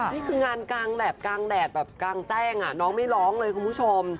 นี่คืองานกลางแบบกลางแดดแบบกลางแจ้งน้องไม่ร้องเลยคุณผู้ชม